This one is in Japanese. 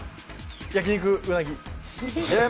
焼き肉、うなぎ。